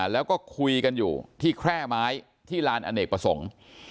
แล้วก็คุยกันอยู่ที่แคร่ไม้ที่ลานอเนกประสงค์